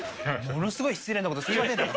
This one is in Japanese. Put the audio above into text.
ものすごい失礼なこと、すみません。